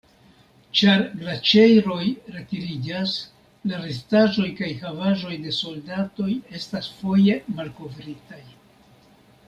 Ĉar glaĉeroj retiriĝas, la restaĵoj kaj havaĵoj de soldatoj estas foje malkovritaj.